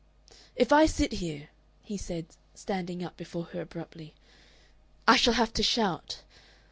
"If I sit here," he said, standing up before her abruptly, "I shall have to shout.